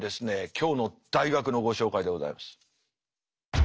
今日の大学のご紹介でございます。